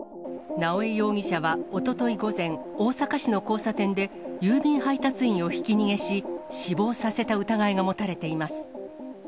直江容疑者はおととい午前、大阪市の交差点で、郵便配達員をひき逃げし、死亡させた疑いが持たれています。